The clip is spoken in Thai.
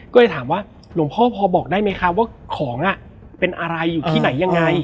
ก็เลยถามว่าหลวงพ่อพอบอกได้ไหมคะว่าของเป็นอะไรอยู่ที่ไหนยังไง